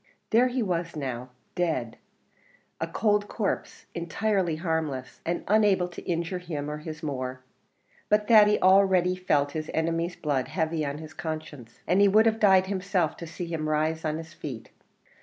There he was now dead a cold corpse entirely harmless, and unable to injure him or his more. But Thady already felt his enemy's blood heavy on his conscience, and he would have died himself to see him rise on his feet.